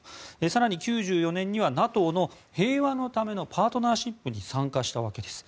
更に、９４年にはＮＡＴＯの平和のためのパートナーシップに参加したわけです。